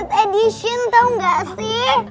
guys tau nggak sih